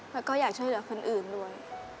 แล้วก็อยากช่วยเหลือคนอื่นด้วย